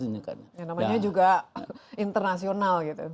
namanya juga internasional gitu